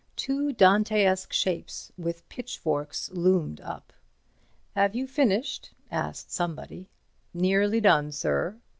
Two Dantesque shapes with pitchforks loomed up. "Have you finished?" asked somebody. "Nearly done, sir."